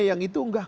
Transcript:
yang itu tidak